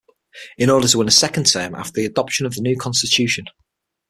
In order to win a second term after the adoption of the new constitution.